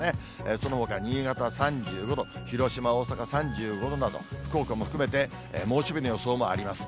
そのほか新潟は３５度、広島、大阪３５度など、福岡も含めて猛暑日の予想もあります。